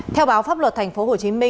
theo báo pháp luật tp hcm